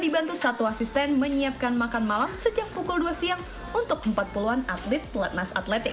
dibantu satu asisten menyiapkan makan malam sejak pukul dua siang untuk empat puluh an atlet pelatnas atletik